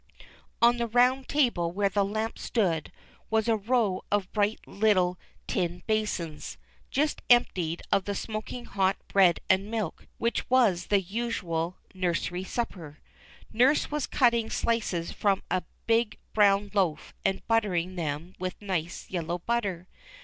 On the round table where the lamp stood, was a row of bright little tin basins, just emptied of the smoking hot bread and milk which was the usual nursery supper. Nurse was cutting slices from a big brown loaf and buttering them with nice yellow blitter.